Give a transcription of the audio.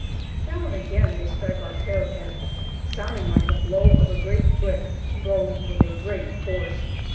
Now and again they strike our parapet, sounding like the blow of a great brick thrown with a great force.